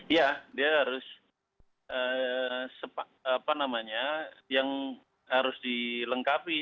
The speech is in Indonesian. ya dia harus apa namanya yang harus dilengkapi